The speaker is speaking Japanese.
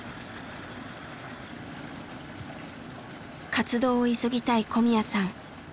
活動を急ぎたい小宮さん。